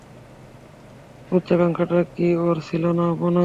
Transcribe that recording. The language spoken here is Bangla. উচ্চাকাঙ্ক্ষাটা কি ওর ছিল না আপনার?